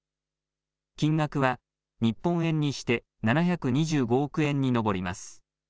金額は日本円にして７２５億円に上ります。